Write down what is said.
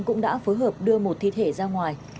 cũng đã phối hợp đưa một thi thể ra ngoài